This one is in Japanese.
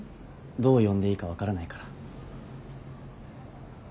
どう呼んでいいか分からないから。